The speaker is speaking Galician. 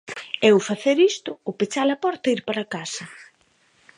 É ou facer isto ou pechala porta e ir para casa.